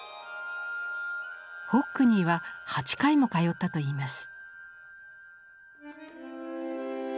ホックニーは８回も通ったといいます。